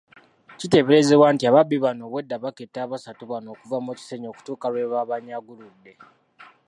Kiteeberezebwa nti ababbi bano obwedda baketta abasatu bano okuva mu Kisenyi okutuuka lwe baabanyaguludde.